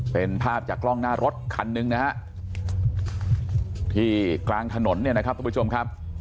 เป็นภาพจากกล้องหน้ารถคันหนึ่งนะฮะที่กลางถนนเนี่ยนะครับทุกผู้ชมครับ